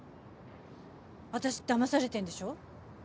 私だまされてんでしょ？